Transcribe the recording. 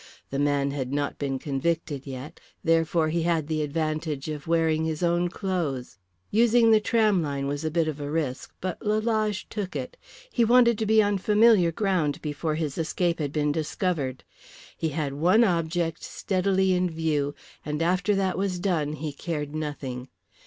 The man had not been convicted yet, therefore he had the advantage of wearing his own clothes. Using the tramline was a bit of a risk, but Lalage took it. He wanted to be on familiar ground before his escape had been discovered. He had one object steadily in view, and after that was done he cared nothing.